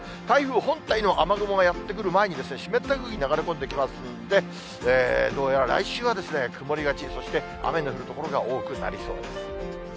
台風本体の雨雲がやって来る前に湿った空気流れ込んできますんで、どうやら来週は曇りがち、そして雨の降る所が多くなりそうです。